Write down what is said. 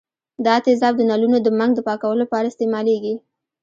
دا تیزاب د نلونو د منګ د پاکولو لپاره استعمالیږي.